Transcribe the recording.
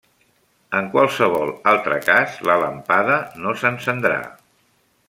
En qualsevol altre cas, la làmpada no s'encendrà.